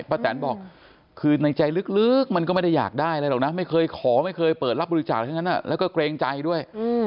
แตนบอกคือในใจลึกมันก็ไม่ได้อยากได้อะไรหรอกนะไม่เคยขอไม่เคยเปิดรับบริจาคทั้งนั้นแล้วก็เกรงใจด้วย